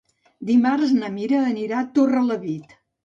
Dimarts na Mira anirà a Torrelavit.